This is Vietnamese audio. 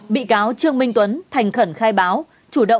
bị cáo trương minh tuấn thành khẩn khai báo